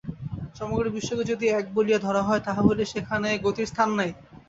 সমগ্র বিশ্বকে যদি এক বলিয়া ধরা হয়, তাহা হইলে সেখানে গতির স্থান নাই।